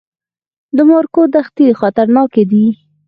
د مارګو دښتې خطرناکې دي؟